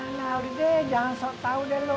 nah udah deh jangan sok tau deh lu